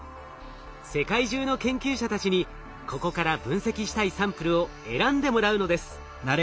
世界中の研究者たちにここから分析したいサンプルを選んでもらうのです。